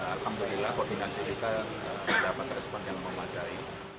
alhamdulillah koordinasi kita dapat respon yang memacai